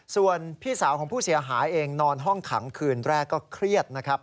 ส่วนพี่สาวของผู้เสียหายเองนอนห้องขังคืนแรกก็เครียดนะครับ